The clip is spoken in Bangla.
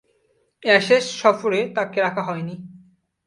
অ্যাশেজ সফরে তাকে রাখা হয়নি।